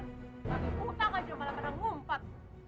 gitu malah pada ngumpat